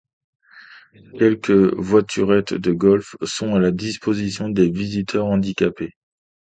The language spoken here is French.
Quelques voiturettes de golf sont à la disposition des visiteurs handicapés.